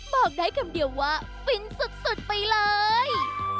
บอกได้คำเดียวว่าฟินสุดไปเลย